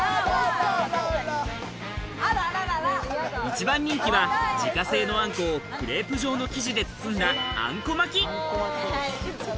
一番人気は自家製のあんこをクレープ状の生地で包んだあんこ巻き。